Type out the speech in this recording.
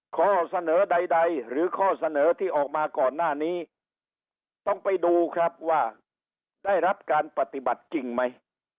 ข้อเสนอใดหรือข้อเสนอที่ออกมาก่อนหน้านี้ต้องไปดูครับว่าได้รับการปฏิบัติจริงไหม